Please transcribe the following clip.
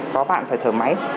có bạn phải thở máy